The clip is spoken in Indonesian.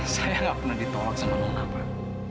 saya nggak pernah ditolak sama nona pak